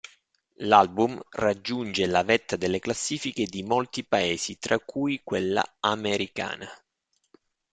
L'album raggiunge la vetta delle classifiche di molti paesi tra cui quella americana.